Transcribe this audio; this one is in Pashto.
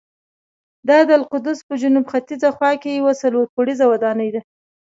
دا د القدس په جنوب ختیځه خوا کې یوه څلور پوړیزه ودانۍ ده.